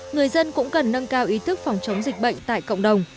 người dân cũng cần nâng cao ý thức phòng chống dịch bệnh tại cộng đồng